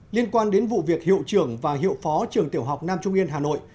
liên quan đến vụ việc hiệu trưởng và hiệu phó trường tiểu học nam trung yên hà nội